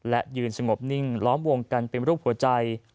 และยืนสงบนิ่งล้อมวงกันเป็นรูปหัวใจ